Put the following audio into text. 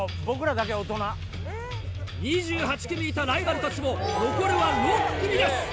２８組いたライバルたちも残るは６組です！